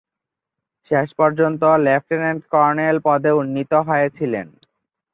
শেষপর্যন্ত lieutenant colonel পদে উন্নীত হয়েছিলেন।